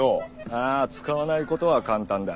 ああ使わないことは簡単だ。